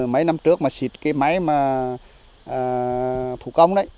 mấy năm trước mà xịt cái máy mà thủ công đấy